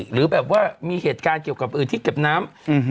หรือแบบว่ามีเหตุการณ์เกี่ยวกับอื่นที่เก็บน้ำ